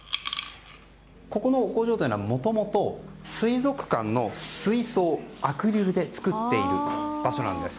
ここの工場はもともと水族館の水槽をアクリルで作っている場所なんです。